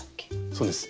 そうです。